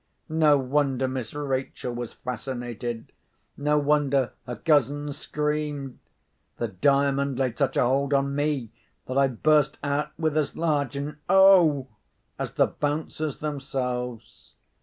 No wonder Miss Rachel was fascinated: no wonder her cousins screamed. The Diamond laid such a hold on me that I burst out with as large an "O" as the Bouncers themselves.